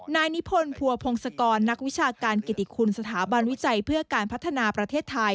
นายนิพนธ์ภัวพงศกรนักวิชาการกิติคุณสถาบันวิจัยเพื่อการพัฒนาประเทศไทย